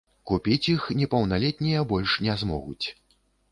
Купіць іх непаўналетнія больш не змогуць.